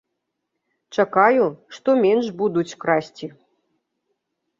Чакаю, што менш будуць красці.